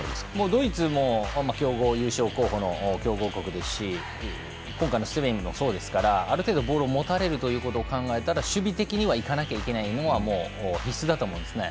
ドイツも強豪優勝候補の強豪国ですし今回のスペインもそうですからある程度ボールを持たれるということを考えたら守備的には行かなきゃいけないのは必須だと思いますね。